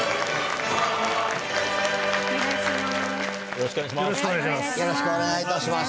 よろしくお願いします。